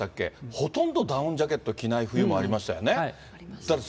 ほとんどダウンジャケット着ない冬もありましたよね。